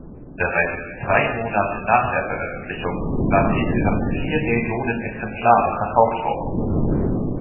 Bereits zwei Monate nach der Veröffentlichung waren insgesamt vier Millionen Exemplare verkauft worden.